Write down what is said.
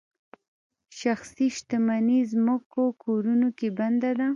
شخصي شتمني ځمکو کورونو کې بنده ده.